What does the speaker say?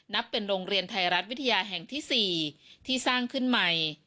นับเป็นโรงเรียนไทยรัฐวิทยาแห่งที่๔ที่สร้างขึ้นใหม่